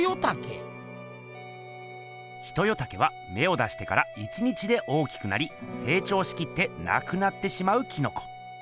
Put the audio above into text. ヒトヨタケはめを出してから１日で大きくなりせい長しきってなくなってしまうキノコ。